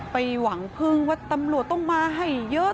ไปหวังพึ่งว่าตำรวจต้องมาให้เยอะ